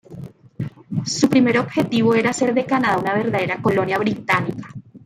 Su primer objetivo era hacer de Canadá una verdadera colonia británica.